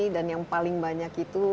dan yang paling banyak itu